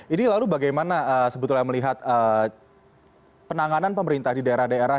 ini lalu bagaimana sebetulnya melihat penanganan pemerintah di daerah daerah